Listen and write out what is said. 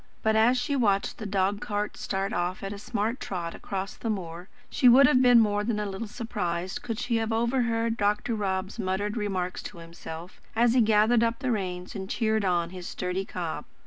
But as she watched the dog cart start off at a smart trot across the moor, she would have been more than a little surprised could she have overheard Dr. Rob's muttered remarks to himself, as he gathered up the reins and cheered on his sturdy cob.